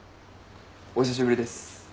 お久しぶりです。